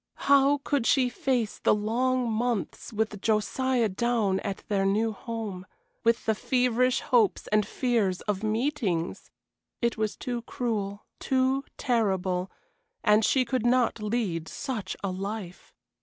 How could she face the long months with Josiah down at their new home, with the feverish hopes and fears of meetings! It was too cruel, too terrible; and she could not lead such a life.